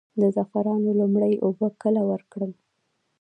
د زعفرانو لومړۍ اوبه کله ورکړم؟